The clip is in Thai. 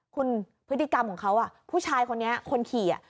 คุณพฤติกรรมของเขาผู้ชายคนนี้คนขี่